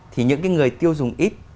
thì những cái người tiêu dùng ít